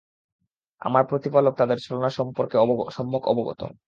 আমার প্রতিপালক তাদের ছলনা সম্পর্কে সম্যক অবগত।